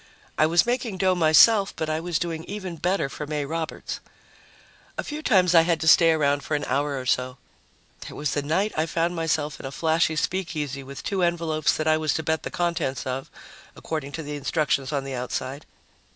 I was making dough myself, but I was doing even better for May Roberts. A few times I had to stay around for an hour or so. There was the night I found myself in a flashy speakeasy with two envelopes that I was to bet the contents of, according to the instructions on the outside.